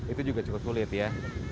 itu juga cukup sulit ya